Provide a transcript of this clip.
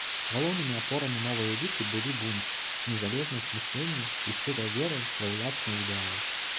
Галоўнымі апорамі новай эліты былі бунт, незалежнасць мыслення і шчырая вера ва ўласныя ідэалы.